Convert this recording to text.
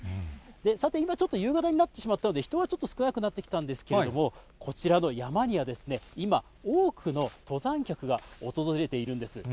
さて今、ちょっと夕方になってしまったので、人はちょっと少なくなってきたんですけれども、こちらの山には、今、多くの登山客が訪れているんです。